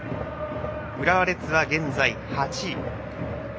浦和レッズは現在８位。